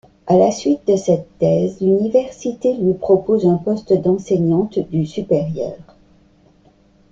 À la suite de cette thèse, l'université lui propose un poste d'enseignante du supérieur.